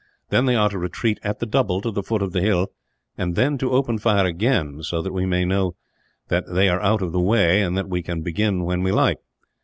Then they are to retreat at the double to the foot of the hill; and then to open fire again, so that we may know that they are out of the way, and that we can begin when we like.